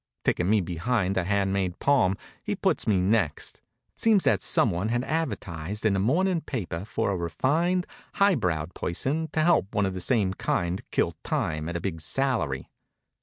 Taking me behind a hand made palm, he puts me next. Seems that some one had advertised in a mornin' paper for a refined, high browed person to help one of the same kind kill time at a big salary.